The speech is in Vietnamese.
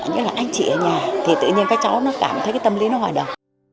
như là anh chị ở nhà thì tự nhiên các cháu nó cảm thấy cái tâm lý nó hỏi đầu